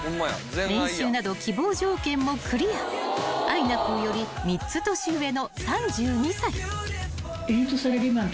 ［年収など希望条件もクリアあいなぷぅより３つ年上の３２歳］